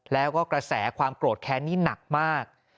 แล้วก็กระแสความโกรธแค้นนี่หนักมาก